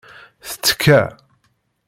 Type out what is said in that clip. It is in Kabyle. Tettekka.